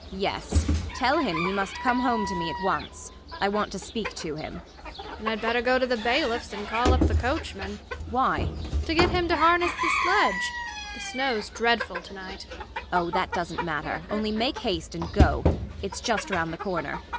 Yes; tell him he must come home to me at once; I want to speak to him. THE MAID. [Grumbling.] Then I'd better go to the bailiff's and call up the coachman. MRS. BORKMAN. Why? THE MAID. To get him to harness the sledge. The snow's dreadful to night. MRS. BORKMAN. Oh, that doesn't matter; only make haste and go. It's just round the corner.